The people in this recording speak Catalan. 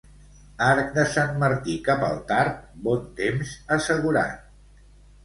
Arc de sant Martí cap al tard, bon temps assegurat.